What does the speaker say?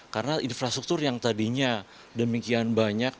karena infrastruktur yang tadinya demikian banyak masing masing harus memiliki sendiri